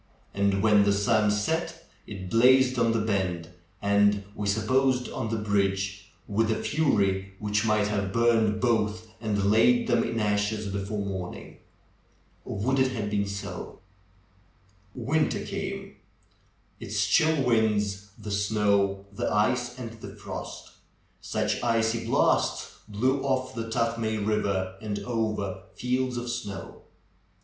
And when the sun set it blazed on the bend and, we supposed, on the bridge, with a fury which might have burned both and laid them in ashes before morning. Would it had been so! THE BEND OF THE HILL 159 Winter came. Its chill winds, the snow, the ice, and the frost ! Such icy blasts blew off the Tuthmay Eiver and over fields of snow.